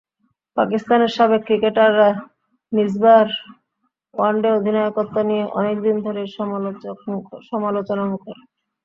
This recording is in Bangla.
পাকিস্তানের সাবেক ক্রিকেটাররা মিসবাহর ওয়ানডে অধিনায়কত্ব নিয়ে অনেক দিন ধরেই সমালোচনামুখর।